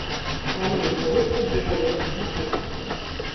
Плануецца выступ беларускіх музыкаў.